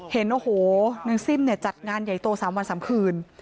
เห็นโอ้โหนางซิ่มเนี่ยจัดงานใหญ่โต๓วัน๓คืน